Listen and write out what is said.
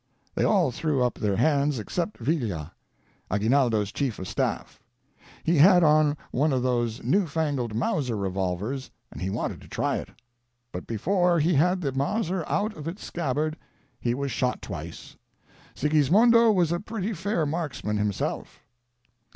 They all threw up their hands ex cept Villia, Aguinaldo's chief of staff; he had on one of those new fangled Mauser revolvers and he wanted to try it. But before he had the Mauser out of its scabbard he was shot twice; Sigismondo was a pretty fair marksman himself.